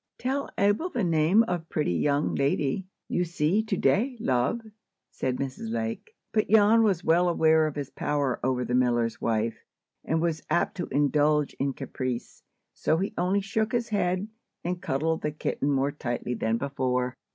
"Tell Abel the name of pretty young lady you see to day, love," said Mrs. Lake. But Jan was well aware of his power over the miller's wife, and was apt to indulge in caprice. So he only shook his head, and cuddled the kitten more tightly than before.